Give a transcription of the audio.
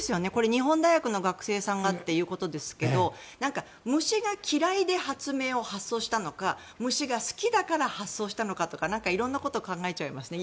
日本大学の学生さんがということですが虫が嫌いで発明を発想したのか虫が好きだから発想したのかとか色んなことを考えちゃいますね